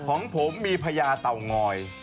ของผมมีพญาเตางอย